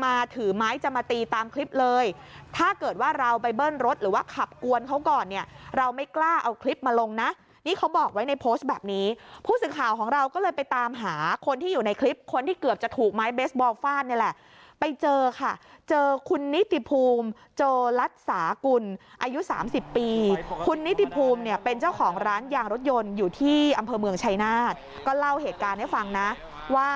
ไม่กล้าเอาคลิปมาลงนะนี่เขาบอกไว้ในโพสต์แบบนี้ผู้สึกข่าวของเราก็เลยไปตามหาคนที่อยู่ในคลิปคนที่เกือบจะถูกไม้เบสบอลฟ่านนี่แหละไปเจอค่ะเจอคุณนิติภูมิเจอรัฐสากุลอายุสามสิบปีคุณนิติภูมิเนี้ยเป็นเจ้าของร้านยางรถยนต์อยู่ที่อำเภอเมืองชัยนาศก็เล่าเหตุการณ์ให้ฟังนะว่า